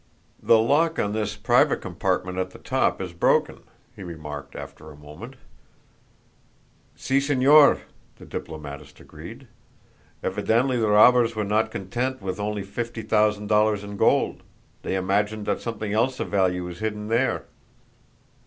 "The lock on this private compartment at the top is broken," he remarked after a moment. "Si, Señor," the diplomatist agreed. "Evidently the robbers were not content with only fifty thousand dollars in gold they imagined that something else of value was hidden there."